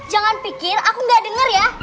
jangan pikir aku nggak dengar ya